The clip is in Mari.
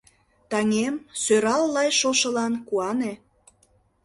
Таҥем, сӧрал лай шошылан куане